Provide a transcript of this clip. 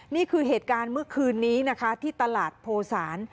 นี่คือเหตุการณ์เมื่อคืนนี้นะคะที่ตลาดโพศาล